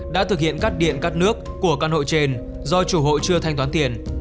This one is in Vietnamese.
đã thực hiện cắt điện cắt nước của căn hộ trên do chủ hộ chưa thanh toán tiền